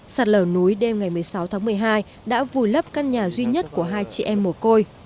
sạt lở núi đêm ngày một mươi sáu tháng một mươi hai đã vùi lấp căn nhà duy nhất của hai chị em mồ côi